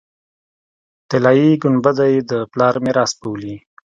طلایي ګنبده یې د پلار میراث بولي.